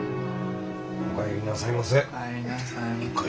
お帰りなさいませ。